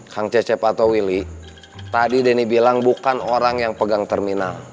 kang cecep atau willy tadi denny bilang bukan orang yang pegang terminal